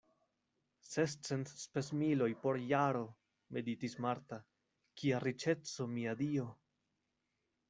Sescent spesmiloj por jaro, meditis Marta, kia riĉeco, mia Dio!